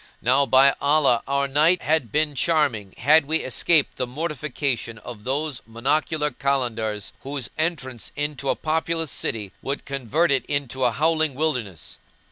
Now by Allah, our night had been charming had we escaped the mortification of those monocular Kalandars whose entrance into a populous city would convert it into a howling wilderness."